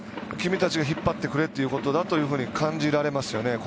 君たちが引っ張ってくれということだと感じますよね。